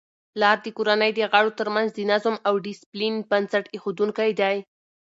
پلار د کورنی د غړو ترمنځ د نظم او ډیسپلین بنسټ ایښودونکی دی.